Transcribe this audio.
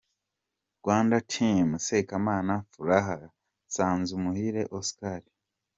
Rwanda Team: Sekamana Furaha& Nsanzumuhire Oscar.